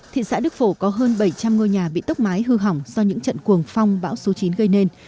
thị xã đức phổ có hơn bảy trăm linh ngôi nhà bị tốc mái hư hỏng do những trận cuồng phong bão số chín gây nên